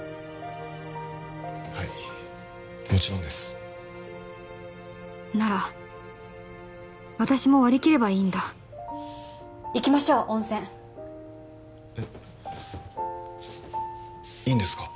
はいもちろんですなら私も割り切ればいいんだ行きましょう温泉えっいいんですか？